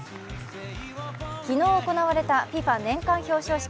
昨日行われたＦＩＦＡ年間表彰式。